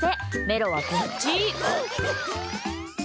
メロはこっち。